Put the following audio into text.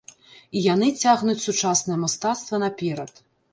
І яны цягнуць сучаснае мастацтва наперад.